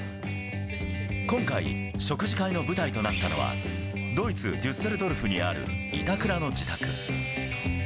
今回、食事会の舞台となったのは、ドイツ・デュッセルドルフにある板倉の自宅。